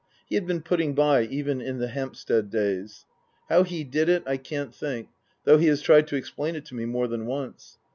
(He had been putting by even in the Hampstead days.) How he did it I can't think, though he has tried to explain it to me more than once.